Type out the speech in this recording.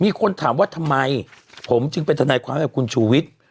มีคนถามว่าทำไมผมจึงเป็นทนายความให้กับคุณชูวิทย์